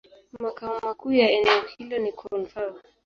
Makao makuu ya eneo hilo ni Koun-Fao.